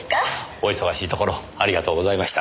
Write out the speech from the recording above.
お忙しいところありがとうございました。